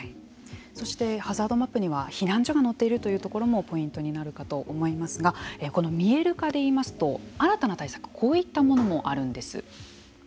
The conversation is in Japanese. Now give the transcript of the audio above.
そしてハザードマップには避難所が載っているというところもポイントになるかと思いますがこの見える化でいいますと新たな対策としてこういったものもあるんです。